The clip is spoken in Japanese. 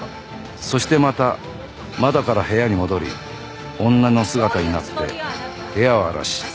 そしてまた窓から部屋に戻り女の姿になって部屋を荒らし。